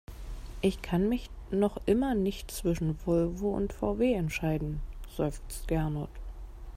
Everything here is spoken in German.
Ich kann mich noch immer nicht zwischen Volvo und VW entscheiden, seufzt Gernot.